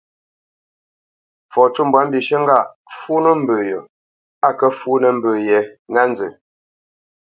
Fɔ cû mbwǎ mbishə̂ ŋgâʼ fúnə̄ mbə yo á kə́ fúnə̄ mbə yě ŋá nzə.